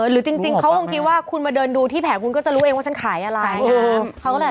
หรือจริงเขาคงคิดว่าคุณมาเดินดูที่แผงคุณก็จะรู้เองว่าฉันขายอะไร